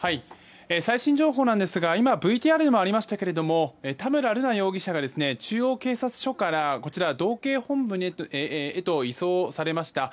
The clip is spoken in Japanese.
最新情報ですが今、ＶＴＲでもありましたが田村瑠奈容疑者が中央警察署からこちら道警本部へと移送されました。